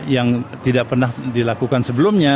yang tidak pernah dilakukan sebelumnya